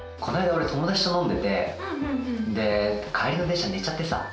俺友達と飲んでてで帰りの電車寝ちゃってさ。